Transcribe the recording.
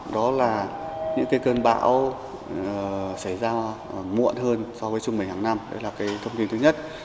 đó là những cơn bão xảy ra muộn hơn so với trung bình hàng năm đây là thông tin thứ nhất